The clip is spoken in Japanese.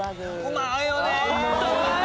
うまいですよね！